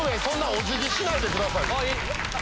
お辞儀しないでください。